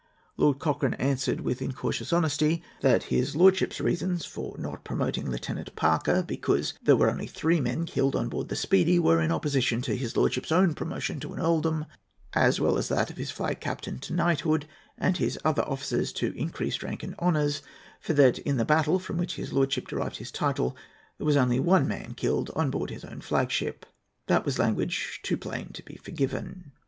Lord Cochrane answered, with incautious honesty, that "his lordship's reasons for not promoting Lieutenant Parker, because there were only three men killed on board the Speedy, were in opposition to his lordship's own promotion to an earldom, as well as that of his flag captain to knighthood, and his other officers to increased rank and honours; for that, in the battle from which his lordship derived his title there was only one man killed on board his own flagship." That was language too plain to be forgiven.